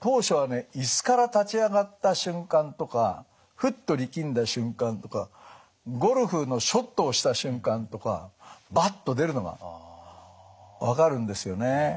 当初はね椅子から立ち上がった瞬間とかふっと力んだ瞬間とかゴルフのショットをした瞬間とかバッと出るのが分かるんですよね。